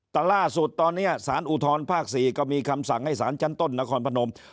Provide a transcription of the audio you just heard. แต่ล่าสุดตอนนี้สารอุทธรภาค๔ก็มีคำสั่งให้สารชั้นต้นนครพนม